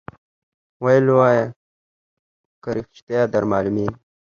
ویل وایه که ریشتیا در معلومیږي